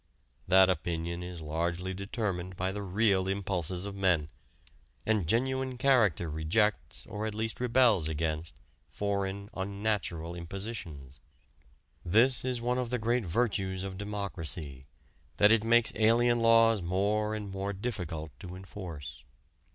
That opinion is largely determined by the real impulses of men; and genuine character rejects or at least rebels against foreign, unnatural impositions. This is one of the great virtues of democracy that it makes alien laws more and more difficult to enforce.